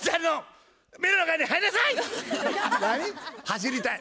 走りたい？